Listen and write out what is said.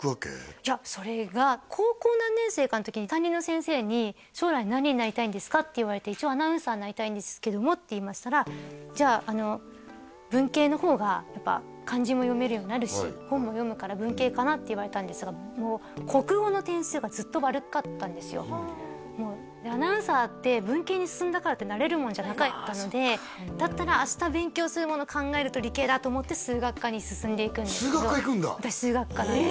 いやそれが高校何年生かの時に担任の先生に「将来何になりたいんですか？」って言われて「一応アナウンサーになりたいんですけども」って言いましたらじゃあ文系の方がやっぱ漢字も読めるようになるし本も読むから文系かなって言われたんですがアナウンサーって文系に進んだからってなれるもんじゃなかったのでだったら明日勉強するもの考えると理系だと思って数学科に進んでいくんですけど数学科いくんだ？